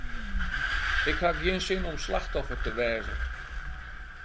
Ik haw gjin sin om slachtoffer te wêze.